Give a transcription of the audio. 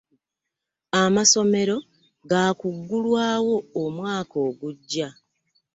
Amasomero gaakuggulwaawo omwaka oguggya.